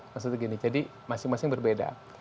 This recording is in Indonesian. maksudnya gini jadi masing masing berbeda